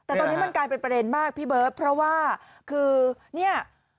แต่ตอนนี้มันกลายเป็นประเด็นมากพี่เบิร์ตเพราะว่าคือเนี่ย